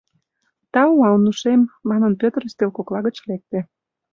— Тау, Анушем, — манын, Пӧтыр ӱстел кокла гыч лекте.